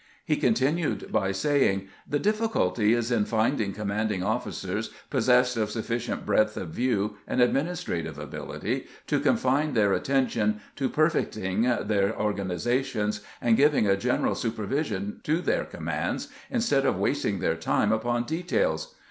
He continued by saying :" The difficvilty is in finding commanding officers possessed of sufficient breadth of view and administrative ability to confine their attention to perfecting their organizations, and giving a general supervision to their commands, instead of wasting their time upon details.